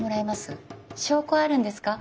証拠あるんですか？